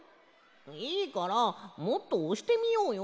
いいからもっとおしてみようよ。